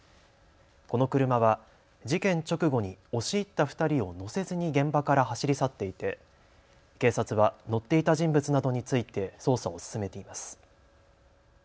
この車は事件直後に押し入った２人を乗せずに現場から走り去っていて警察は乗っていた人物などについて捜査を進めています。